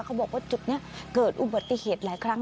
เขาบอกว่าจุดนี้เกิดอุบัติเหตุหลายครั้ง